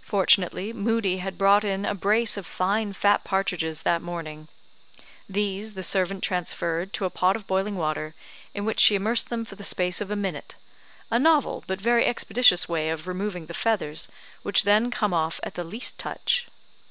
Fortunately, Moodie had brought in a brace of fine fat partridges that morning; these the servant transferred to a pot of boiling water, in which she immersed them for the space of a minute a novel but very expeditious way of removing the feathers, which then come off at the least touch.